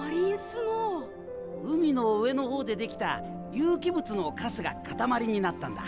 海の上の方でできた有機物のカスが塊になったんだ。